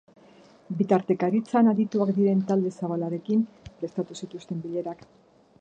Bitartekaritzan adituak diren talde zabalarekin prestatu zituzten bilerak.